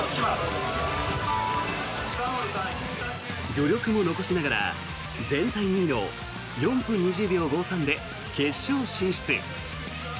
余力も残しながら全体２位の４分２０秒５３で決勝進出。